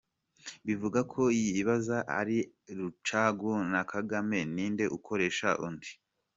Bivugako yibaza ati ari Rucagu na Kagame ninde ukoresha undi?